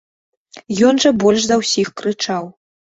Ён жа больш за ўсіх крычаў.